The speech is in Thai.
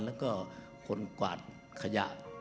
แล้วก็คนกวาดขยะ